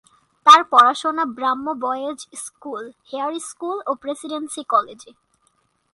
তার পড়াশোনা Brahmo boys school, Hare school ও প্রেসিডেন্সি কলেজে।